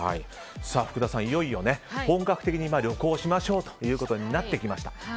福田さん、いよいよ本格的に旅行しましょうとなってきました。